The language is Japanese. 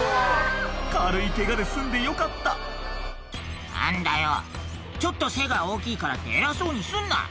軽いケガで済んでよかった「あんだよちょっと背が大きいからって偉そうにすんな！」